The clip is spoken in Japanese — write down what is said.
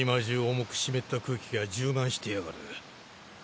重く湿った空気が充満してやがる。